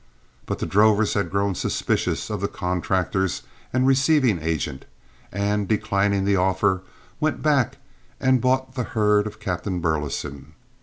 But the drovers had grown suspicious of the contractors and receiving agent, and, declining the offer, went back and bought the herd of Captain Burleson.